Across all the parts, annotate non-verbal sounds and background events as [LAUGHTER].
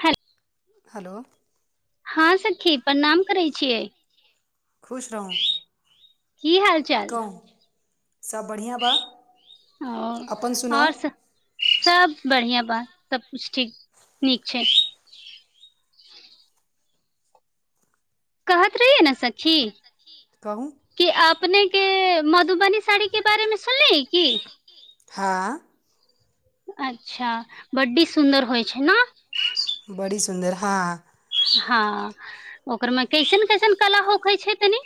ह हलो हां सखी प्रणाम करैय छियै खुश रहू की हाल चाल कहू सब बढ़िआँ बा ओ अपन सुनाउ आओर सब सब बढ़िआं बात सबकुछु ठीक नीक छैइ कहत रहियै ने सखी कहू कि अपने के मधुबनी साड़ी के बारेमे सुनली है की हां अच्छा बड्डी सुन्दर होइ छै ना बड़ी सुन्दर हां हँ ओकरमे कैसन कैसन कला होखै छै तनी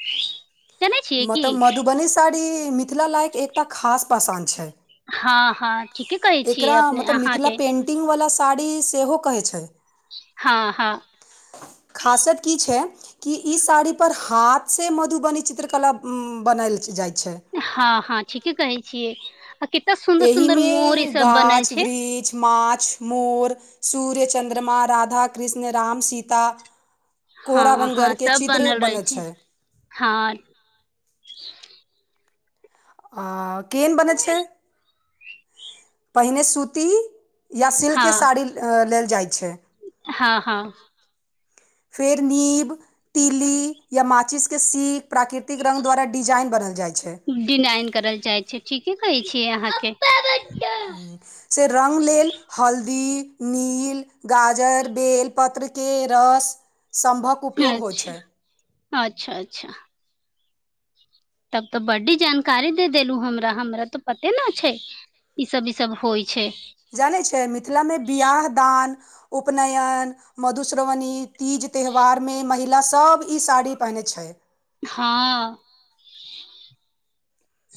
जानै छियै की मतलब मधुबनी साड़ी मिथिला लायक एकटा खास पासान छै हँ हँ ठीके कहै छियै एकरा अपने मतब मिथिला अहाँके पेन्टिंग बला साड़ी सेहो कहै छै हँ हँ खासियत की छै कि ई साड़ी पर ह हाथ से मधुबनी चित्रकला बनाल जाय हँ हँ ठीके कहै छियै आ क एहिमे गाछ वृक्ष माछ मोर सूर्य चन्द्रमा राधा कृष्ण राम सीता कोहरा हँ हँ बनगरके सब चित्र बनल रहै बनै छै हँ आ केहन बनै छै पहिने सूती या सिल्क के हँ साड़ी लेल जाइ छै हँ हँ फेर नीब तीली या माचिस के सीख प्राकृतिक रंग द्वारा डिजाइन बनल जाइ छै डिजाइन करल जाइ छै ठीके कहै छीयै अहाँके से रंग लेल हल्दी नील गाजर बेलपत्रके रस संभव उपयोग होइ अच्छा छै अच्छा अच्छा तब तऽ बड्डी जानकारी दे देलू हमरा हमरा तऽ पते न छै ई सब ई सब होइ छै जानै छ मिथिलामे बियाह दान उपनयन मधुश्रावणी तीज त्यौहारमे महि पहिले सभ ई साड़ी पहिनै छै हँ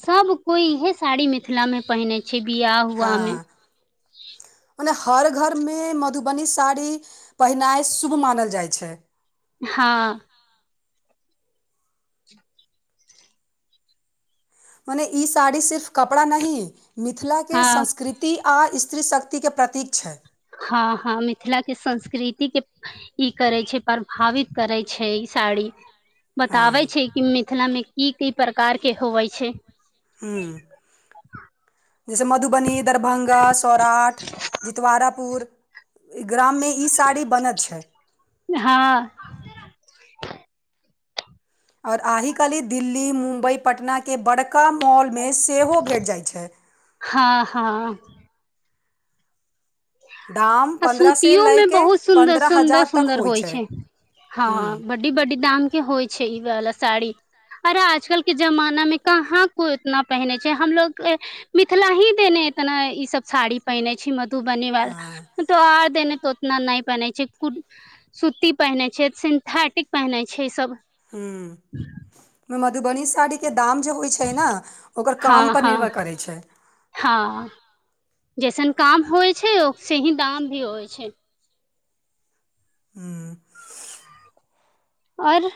सब कोइ इहे साड़ी मिथिला मे पहिने छै पछे बिआ हुआ हमे हँ मने हर घरमे मधुबनी साड़ी पहिनाइ शुभ मानल जाइ छै हँ मने ई साड़ी सिर्फ कपड़ा नहि मिथिलाके हँ संस्कृति आ स शक्तिके प्रतीक छै हँ हँ मिथिलाके संस्कृति के ई करै छै प्रभावित करै छै ई साड़ी हँ बताबै छै कि मिथिलामे की की प्रकार के होवै छै हूँ जैसे मधुबनी दरभंगा [INAUDIBLE] ग्राम में ई साड़ी बनत छै हँ और आहि कली दिल्ली मुंम्बई पटना के बड़का मॉल मे सेहो भेट जाइत छै हँ हँ दाम आ पन्द्रह से सूतियो मे लयके बहुत सुन्दर पन्द्रह सुन्दर हजार तक सुन्दर होइ छै हँ हूँ बड्डी बड्डी दाम के होइ छै ई वला साड़ी अरे आजकल के जमाना मे कहाँ को इतना पहिने छै हमलोग मिथिला ही देने इतना ई सब साड़ी पहिने छी मधु बनीवाल हँ तऽ आ दिन तऽ ओतना नहि पहनेै छै कु सूती पहिने छै सिन्थेटिक पहने छै ई सब ह्म मधुबनी साड़ी के दाम जे होइ छै न ओकर हँ काम पर हँ निर्भर करै छै हँ जैसन काम होइ छै ओ से ही दाम भी होइ छै ह्म और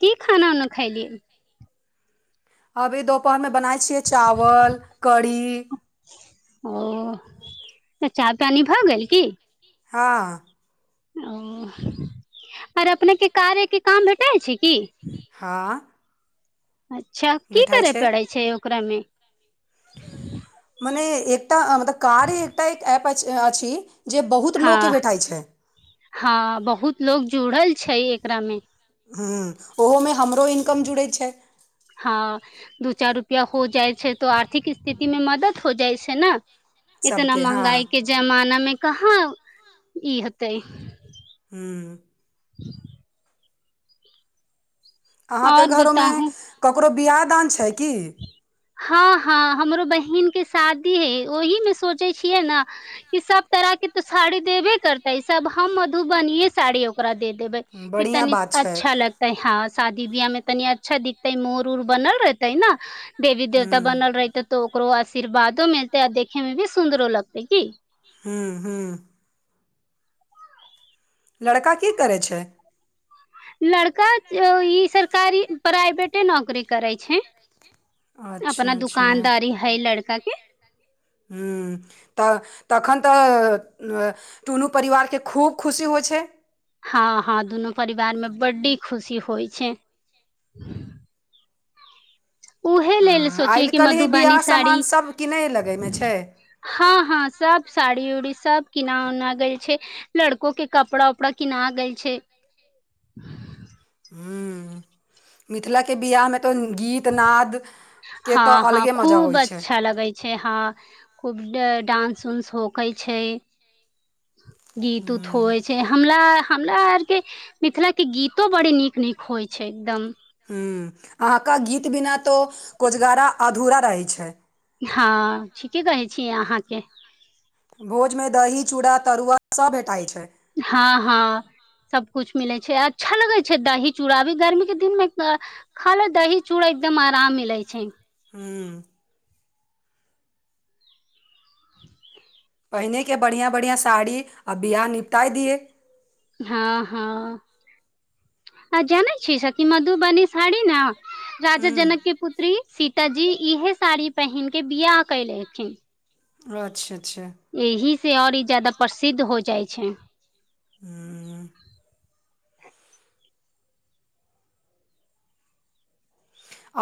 की खाना उना खलियै अभी दुपहरमे बनाय छियै चावल कढी ओ त चाह पानी भऽ गेल की हँ ओ आर अपनेके कार्यके काम भेटैत छै की हँ अच्छा की करे पड़ै छै ओकरामे [INAUDIBLE] एक मतलब कार्य एकटा एक एप [UNINTELLIGIBLE] जे बहुत लोकके हँ भेठाइ छै हँ बहुत लोग जुड़ल छै एकरा मे ह ओहोमे हमरो इनकम जुड़ैय छै हँ दू चार रुपआ हो जाइ छै तऽ आर्थिक स्थिति मे मदद हो जाइ छै ने इतना सभके हँ महँंगाई के जमानामे कहाँ ई हेतै ह्म [INAUDIBLE] अहाँके और घरोमे बताहु क ओकरो बिआाह दान छै की हँ हँ हमरो बहिन के शादी है ओहि मे सोचे छियै ने कि सब तरह के तो साड़ी देबे करते सब हम मधुबने साड़ी ओकरा दे दे देबै बढ़ियाँ कितनी बात छै, अच्छा लगता है हँ शादी बियाह मे तनी अच्छा दिखतै मोर उर बनल रहतै ने देवी देवता हुँ। बनल रहहिते तो ओकरो आशीर्वादो मिलतेै आ देखे में भी सुन्दरो लगतै की ह्म हू लड़का की करै छै लड़का ई सरकारी प्राइवेटे नौकरी करैय छै अपना अच्छा, अच्छा, दुकानदारी है लड़का के ह तऽ तखन तऽ टुनू परिवारके खूब खुशी होइ छै हँ हँ दुनू परिवार मे बड्डी खुशी होइ छै उहे लेल अँ, सोचिय आइ क काल्हि ही मधुबनीी बियाह साड़ी सामान सब किनय लगैमे छै। हँ हँ सब साड़ी उड़ी सब किना उना गेल छै लड़को के कपड़ा उपड़ा किना गेल छै ह मिथिला के बियाह मे तऽ हँ हँ अलगे मजा खूब होइ छै। अच्छा लगै छै हँ खूब डान्स उंस होक छै गीत उत हुँ, होइ छै हमरा हमरा आर के मिथिला के गीतो बड़े नीक नीक होइ छै एकदम ह अहाँके गीत बिना तो कोजगारा अधूरा रहै छै हँ ठीके कहै छीय अहाँके भोजमे दही चूड़ा तरुआ सभ भेटाइत छै हँ हँ सबकुछ मिलै छै अच्छा लगै छै दही चूड़ा अभी गर्मी के दिन मे खाला दही चूड़ा एकदम आराम मिलैत छै हूँ पहिनेके बढ़िआँ बढ़िआँ साड़ी आ बियाह निपटाइ दियै हँ हँ आ जानै छियै सकी मधुबनी साड़ी नय राज हूँ जनकके पुत्री सीत तजी इहे साड़ी पहिनक के बिआह कयलखिन अच्छा अच्छा एही से आओर ई जादा प्रसिद्ध हो जाइ छै हुं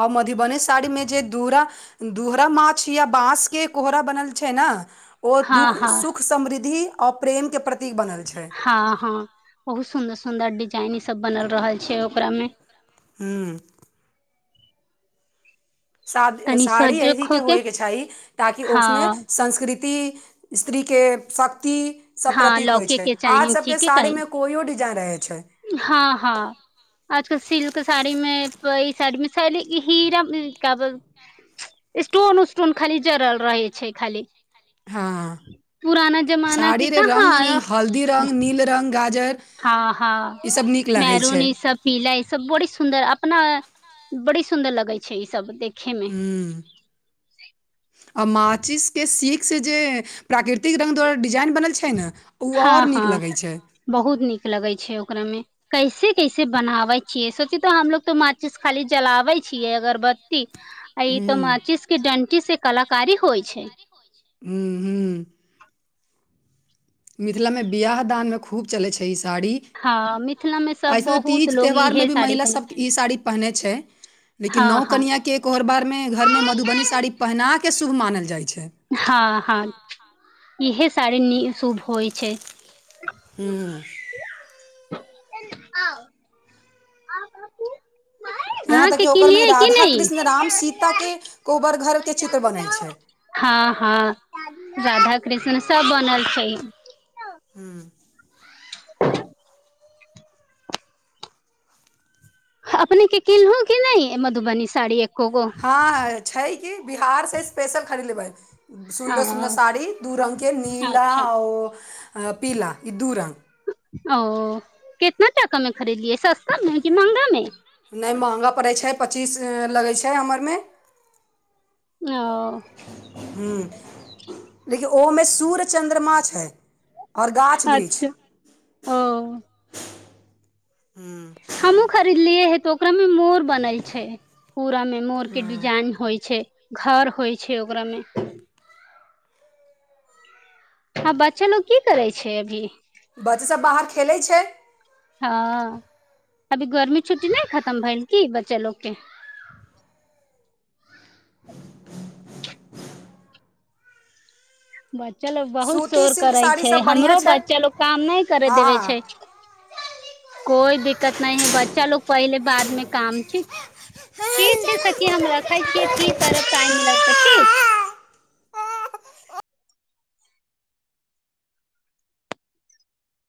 आउ मधीबनि स सारीमे जे दूरा दुहरा माछ या बाँस के कोहरा बनल छै न ओ हँ दुःख हँ सुख समृद्धि अ प्रेम के प्र हँ हँ बहुत सुन्दर सु सुंन्दर डिजाइनी सब बनल रहल छै ओकरा मे हुं तनी साड़ी एहिे सजग होके होयके चाही ताकि हँ उसमे संस्कृति ती स्त्री के शख्त हँ लौके के चाही सबके ठीके कही साड़ीमे कोइयो डिजाइन रहै छै हँ हँ आजकल सिल्क साड़ी मे साडिमे सल हीरा स्टोन उस्टोन खाली जरल रहै छै खाली हँ पुराना जमाना के साड़ी रे कहाँ रंग ने अइस हल्दी रंग नील रंग गाजर हँ हँ ई सब नीक लागै मैहरून छै ई सब पीला ई सब बड़ी सुन्दर अपना बड़ी सुन्दर लगै छै ई सब देख हुं आ माचिसके सीख से जे प्राकृतिक रंग द्वारा डी जाइन बनल छै ने ओ हँ आऔर नीक हँ लगै छै बहुत नीक लगै छै ओकरा मे कैसे कैसे बनाबे छियै सोचे तो हमलोग तो माचिस खाली जलाबे छियै अगरबत्ती अइ तऽ हूँ माचिसके डंटी से कलाकारी होइ छै हुं हुं मिथिला मे बियाह दानमे खूब चलै छै ई साड़ी हँ मिथिला मे सब ऐसे त बहुत तीज लोग त्यौहारमे इहे भी साड़ी महिला पहिन सब ई साड़ी पहिनेै छै लेकिन हँ नओ हँ कनिय के एकोहर बारमे घरमे मधुबनी साड़ी पहिराक के शुभ मानल जाइत हँ हँ इहे सारी शुभ होइ छै ह्मँ एने आउ आउ कनी यहाँ तक अहाँके कि ओकरमे कलियै कि राधा नहि कृष्ण राम सीताके कोहबर घरके चित्र बनै छै हँ हँ राधा कृष्ण सब बनल छै हुं अपनेके किनलहुँ कि नहि मधुबनी साड़ी एक हँ छै की बिहार से स्पेशल खरीद लेबै ह सुन्दर सुन्दर ओ साड़ी दू रङ्गके नीला अच्छा आ पीला ई दू रंग ओ कितना टाका में खरीदलियै सस्ता मे कि महँंगा मे नहि महगा पड़ै छै पच्चीस लगै छै हमरमे ओ ह लेकिन ओहोमे सूर्य चन्द्रमा छै आओर गाछ वृक्ष अच्छा ओ हूँ हमो खरीदलियए है तो ओकरा मे मोर बनल छै पूरा मे मोर के हँ डिजाइन होइ छै घर होइ छै ओकरा मे हँ बच्चल लोक की करै छै अभी बच्च सभ बाहर खेलैत छै ह अभी गर्मी छुट्टी नहि खतम भेल क बच्चा लोगके बच्चा लोग बहुत सूती शोर सिल्क करे साड़ी छै सब बढ़िआँ हमरो छै बच्चा लोग काम नहि करे देबे हँ छै कोइ दिक्कत नहि है बच्चा लोग पहिले बाद मे काम छै ठीक छै सखी हम रखै छियै फिर करब टाइम मिलतऽ ठीक